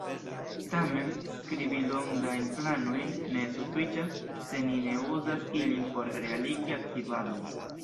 Tamen, skribi longajn planojn ne sufiĉas se ni ne uzas ilin por realigi aktivadon.